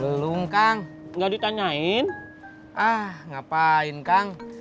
emang lu lagi yang grac bending